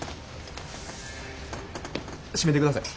締めてください。